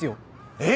えっ？